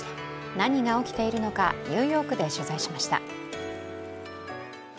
何が起きているのか、ニューヨークで取材しました。